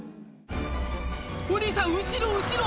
お兄さん後ろ後ろ！